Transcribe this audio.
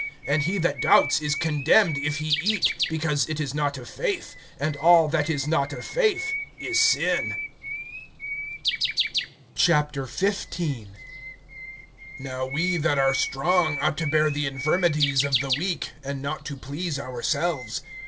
(23)And he that doubts is condemned if he eat, because it is not of faith; and all that is not of faith is sin. XV. NOW we that are strong ought to bear the infirmities of the weak, and not to please ourselves.